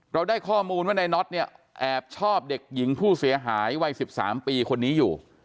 เราได้ข้อมูลว่าในน็อตเนี่ยแอบชอบเด็กหญิงผู้เสียหายวัย๑๓ปีคนนี้อยู่